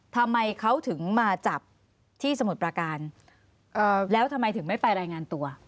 ทำไมเขาถึงมาจับที่สมุทรประการแล้วทำไมถึงไม่ไปรายงานตัว